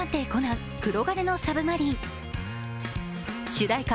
主題歌